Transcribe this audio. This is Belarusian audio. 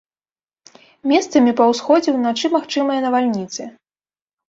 Месцамі па ўсходзе ўначы магчымыя навальніцы.